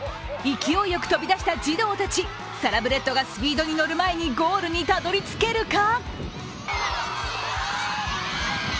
勢いよく飛び出した児童たちサラブレッドがスピードに乗る前にゴールにたどり着けるか？！